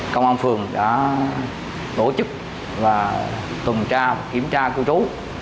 công an phường đã tổ chức và tuần tra kiểm tra cư trú